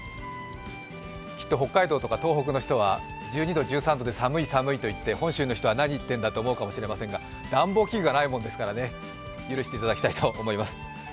きっと北海道とかの人は１２度とかで寒い寒いと言って、本州の人は何言ってるんだって思うかもしれませんが暖房器具がないもんですからね、許していただきたいと思います。